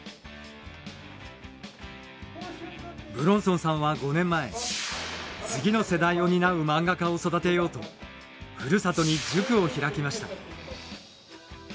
武論尊さんは５年前次の世代を担う漫画家を育てようとふるさとに塾を開きました。